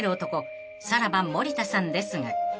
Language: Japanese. さらば森田さんですが］